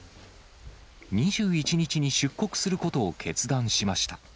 ２１日に出国することを決断しました。